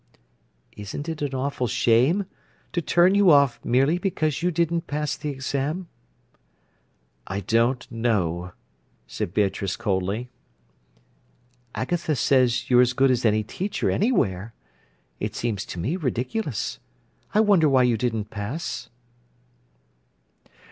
"Isn't it an awful shame, to turn you off merely because you didn't pass the exam?" "I don't know," said Beatrice coldly. "Agatha says you're as good as any teacher anywhere. It seems to me ridiculous. I wonder why you didn't pass."